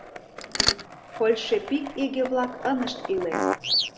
Польшепик иге-влак ынышт иле...